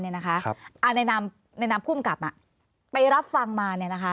อาแนะนำผู้กลับไปรับฟังมา